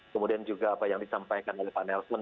kemudian juga apa yang disampaikan oleh pak nelson